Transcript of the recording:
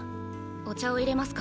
お茶をいれますか？